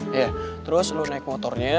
iya terus lo naik motornya ya